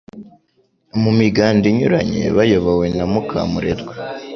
mu miganda inyuranye bayobowe na Mukamurerwa